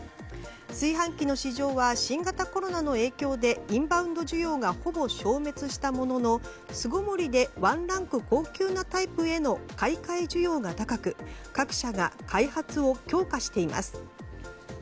炊飯器の市場は新型コロナの影響でインバウンド需要がほぼ消滅したものの巣ごもりでワンランク高級なタイプへの買い替え需要が高く各社が開発を強化しています。